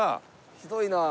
ひどいな。